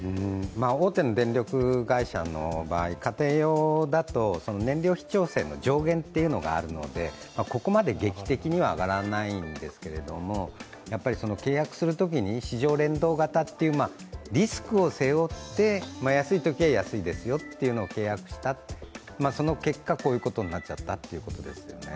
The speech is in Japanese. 大手の電力会社の場合、家庭用だと燃料費調整の上限があるのでここまで劇的には上がらないんですけど、契約するときに市場連動型というリスクを背負って安いときは安いですよというのを契約した、その結果こういうことになっちゃったということですね。